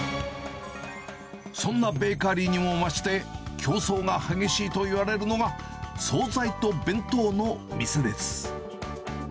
そんなベーカリーにも増して競争が激しいと言われるのが、総菜と弁当の店です。